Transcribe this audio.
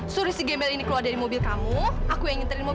sampai jumpa di video selanjutnya